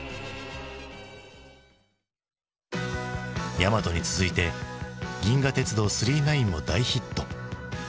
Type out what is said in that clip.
「ヤマト」に続いて「銀河鉄道９９９」も大ヒット。